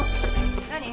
何？